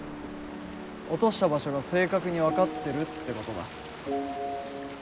落とした場所が正確に分かってるってことだ。